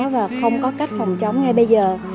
và không có cách phòng chống ngay bây giờ